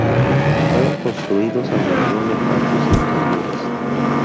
Fueron construidos alrededor de patios interiores.